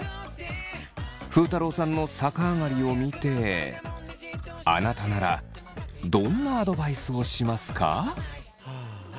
ふうたろうさんの逆上がりを見てあなたならどんなアドバイスをしますか？